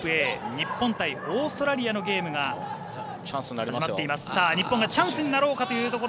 日本対オーストラリアのゲームが始まっています。